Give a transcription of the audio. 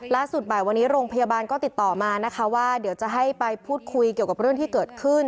บ่ายวันนี้โรงพยาบาลก็ติดต่อมานะคะว่าเดี๋ยวจะให้ไปพูดคุยเกี่ยวกับเรื่องที่เกิดขึ้น